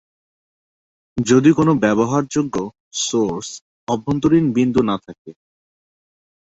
যদি কোনো ব্যবহারযোগ্য সোর্স অভ্যন্তরীণ বিন্দু না থাকে।